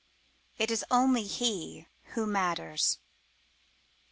"IT IS ONLY HE WHO MATTERS!"